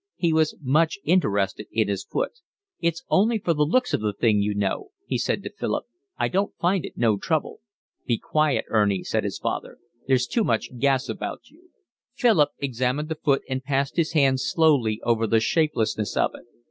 He was much interested in his foot. "It's only for the looks of the thing, you know," he said to Philip. "I don't find it no trouble." "Be quiet, Ernie," said his father. "There's too much gas about you." Philip examined the foot and passed his hand slowly over the shapelessness of it.